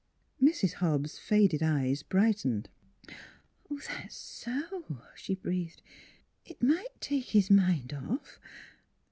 " Mrs. Hobbs' faded eyes brightened. " That's so !" she breathed. " It might take his mind off.